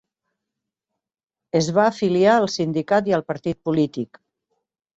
Es va afiliar al sindicat i al partit polític.